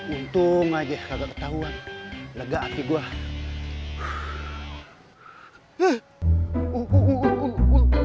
untung aja kagak ketahuan lega hati gue